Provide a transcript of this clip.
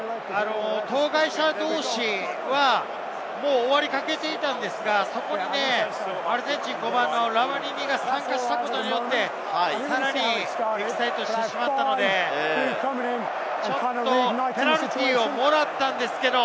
当該者同士は終わりかけていたんですが、そこにアルゼンチン・５番のラバニニが参加したことによって、エキサイトしてしまったので、ちょっとペナルティーをもらったんですけれど。